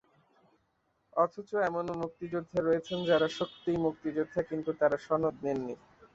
অথচ এমনও মুক্তিযোদ্ধা রয়েছেন, যাঁরা সত্যিই মুক্তিযোদ্ধা কিন্তু তাঁরা সনদ নেননি।